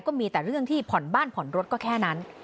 ก็มีแต่เรื่องที่ผ่อนบ้านผ่อนรถก็แค่นั้น